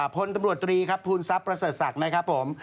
พลตำรวจตรีครับภูมิทรัพย์ประเสริฐศักดิ์นะครับผม